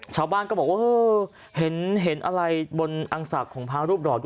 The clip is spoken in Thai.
ชาวบ้านก็บอกว่าเห็นอะไรบนอังสักของพางรูปรอด